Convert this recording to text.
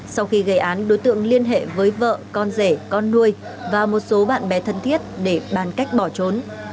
sau khi gây án đối tượng liên hệ với vợ con rể con nuôi và một số bạn bè thân thiết để bàn cách bỏ trốn